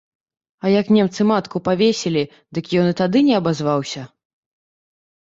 А як немцы матку павесілі, дык ён і тады не абазваўся?